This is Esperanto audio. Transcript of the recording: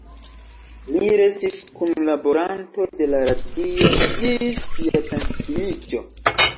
Li restis kunlaboranto de la radio ĝis sia pensiiĝo.